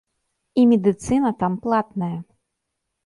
І медыцына там платная.